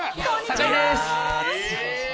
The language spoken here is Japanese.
酒井です。